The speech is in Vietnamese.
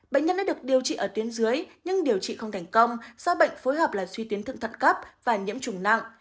bệnh nhân đã được điều trị ở tuyến dưới nhưng điều trị không thành công do bệnh phối hợp là suy tuyến thượng thận cấp và nhiễm trùng nặng